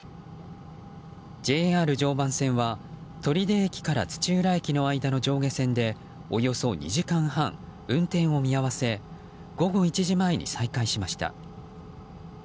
ＪＲ常磐線は取手駅から土浦駅の間の上下線でおよそ２時間半、運転を見合わせ午後１時前に再開しました。